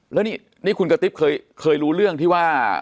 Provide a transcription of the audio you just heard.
แล้วนี่คุณกระติ๊บเคยรู้เรื่องที่ว่า